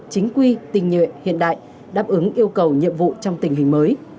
chính quy tình nhuệ hiện đại đáp ứng yêu cầu nhiệm vụ trong tình hình mới